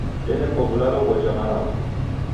Danekwa w'ulalo ghoja malagho.